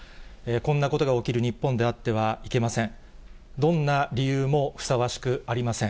こんなことが起きる日本であってはいけません。